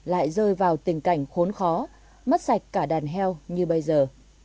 lại rơi vào tình cảnh khốn khó mất sạch cả đàn heo như bây giờ